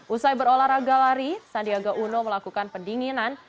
usai berolahraga lari sandiaga uno melakukan pendinginan